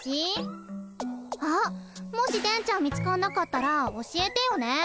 あっもし電ちゃん見つかんなかったら教えてよね。